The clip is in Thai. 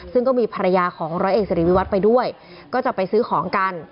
ซึ่งก็มีภรรยาของร้อยเอกสิริวิวัตรไปด้วยก็จะไปซื้อของกัน